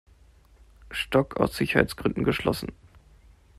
Stock aus Sicherheitsgründen geschlossen.